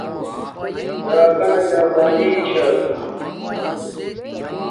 راکانا جاپانیک چھا کا